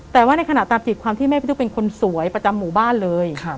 แต่ว่าในขณะตามจิตความที่แม่พี่ตุ๊กเป็นคนสวยประจำหมู่บ้านเลย